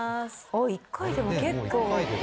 あっ１回でも結構。